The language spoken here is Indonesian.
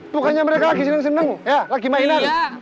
bukannya mereka lagi seneng seneng lagi mainan banget